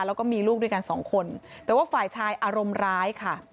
แล้วก็มีลูกด้วยกันสองคนแต่ว่าฝ่ายชายอารมณ์ร้ายค่ะ